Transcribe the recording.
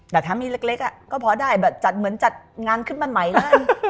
แต่ถ้ามีเล็กก็พอได้แบบจัดเหมือนจัดงานขึ้นมาใหม่ได้